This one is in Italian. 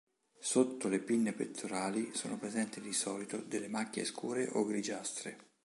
Sotto le pinne pettorali sono presenti di solito delle macchie scure o grigiastre.